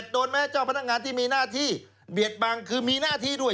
โดนไหมเจ้าพนักงานที่มีหน้าที่เบียดบังคือมีหน้าที่ด้วย